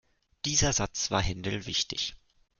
Dieser Satz war Händel wichtig.